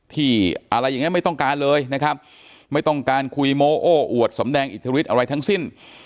ที่อะไรอย่างเงี้ไม่ต้องการเลยนะครับไม่ต้องการคุยโมโอ้อวดสำแดงอิทธิฤทธิอะไรทั้งสิ้น